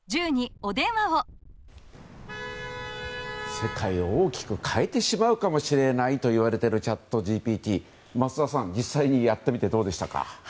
世界を大きく変えてしまうかもしれないといわれているチャットＧＰＴですが増田さん、実際にやってみてどうでしたか？